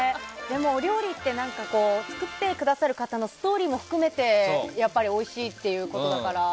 でも、お料理って作ってくださる方のストーリーも含めておいしいということだから。